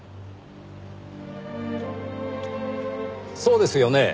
そうですよね？